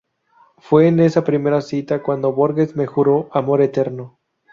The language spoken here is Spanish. Fue en esa primera cita cuando Borges me juró amor eterno".